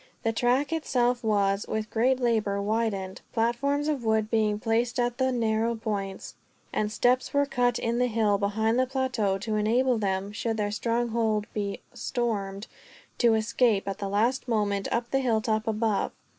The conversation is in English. The track itself was, with great labor, widened; platforms of wood being placed at the narrow points; and steps were cut in the hill behind the plateau to enable them, should their stronghold be stormed, to escape at the last moment up to the hilltop above.